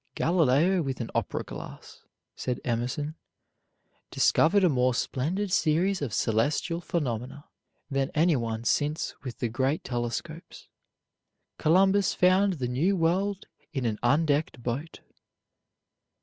"Galileo with an opera glass," said Emerson, "discovered a more splendid series of celestial phenomena than any one since with the great telescopes. Columbus found the new world in an undecked boat."